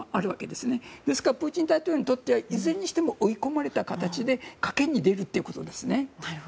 ですから、プーチン大統領にとってはいずれにしても追い込まれた形で賭けに出るということですね。